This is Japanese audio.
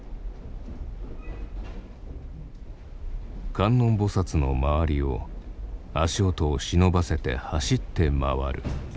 観音菩の周りを足音を忍ばせて走って回る。